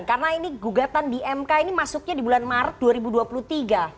karena ini gugatan di mk ini masuknya di bulan maret dua ribu dua puluh tiga